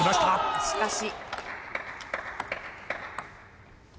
しかし。